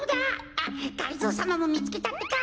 あっがりぞーさまもみつけたってか。